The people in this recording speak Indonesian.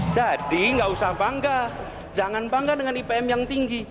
nggak usah bangga jangan bangga dengan ipm yang tinggi